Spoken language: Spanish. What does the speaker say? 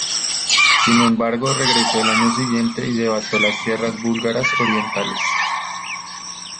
Sin embargo, regresó al año siguiente y devastó las tierras búlgaras orientales.